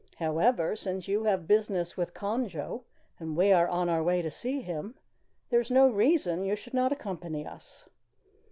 "However, since you have business with Conjo, and we are on our way to see him, there is no reason you should not accompany us."